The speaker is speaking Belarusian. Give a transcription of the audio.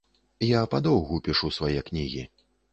Я падоўгу пішу свае кнігі.